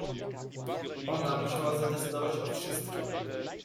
"Ona musiała zadecydować o wszystkiem."